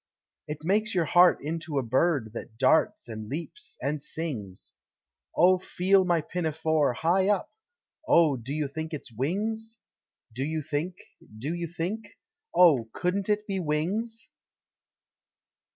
It makes your heart into a Bird That darts, and leaps, and sings. Oh, feel my pinafore, high up! Oh, do you think it's Wings? Do you think Do you think Oh, couldn't it be Wings?